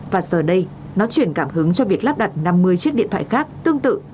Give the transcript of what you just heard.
và giờ đây nó chuyển cảm hứng cho việc lắp đặt năm mươi chiếc điện thoại khác tương tự